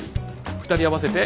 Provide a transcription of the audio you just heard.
２人合わせて。